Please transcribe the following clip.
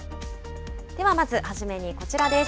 ではまず初めにこちらです。